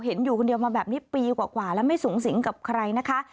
อยู่คนเดียวมาแบบนี้ปีกว่าแล้วไม่สูงสิงกับใครนะคะ